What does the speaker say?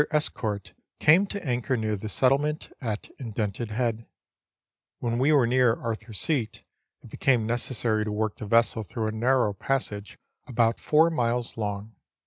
Escoart came to anchor near the settlement at Indented Head, When we were near Arthur's Seat it became necessary to work the vessel through a narrow passage about four miles long.